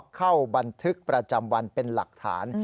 เข้าบันทึกประจำวันเป็นหลักฐาน